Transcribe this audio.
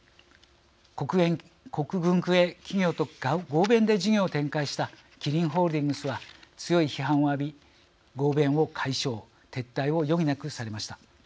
国軍系企業と合弁で事業を展開したキリンホールディングスは強い批判を浴び合弁を解消、撤退を余儀なくされました。